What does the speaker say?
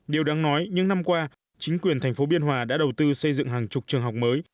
điều đáng nói những năm qua chính quyền thành phố biên hòa đã đầu tư xây dựng hàng chục trường học mới